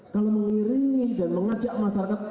kalau mengiringi dan mengajak masyarakat